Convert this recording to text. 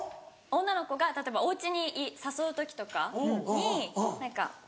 女の子が例えばおうちに誘う時とかに何か。